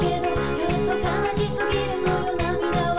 「ちょっと悲しすぎるのよ涙は」